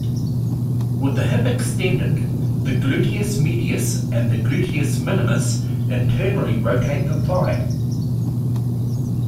With the hip extended, the gluteus medius and gluteus minimus internally rotate the thigh.